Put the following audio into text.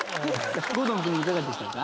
郷敦君いかがでしたか？